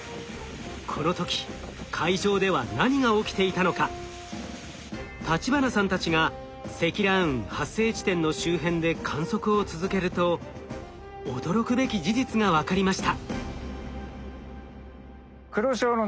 この時立花さんたちが積乱雲発生地点の周辺で観測を続けると驚くべき事実が分かりました。